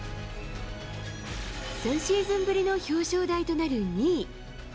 ３シーズンぶりの表彰台となる２位。